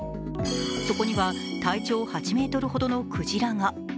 そこには、体長８ｍほどのクジラが。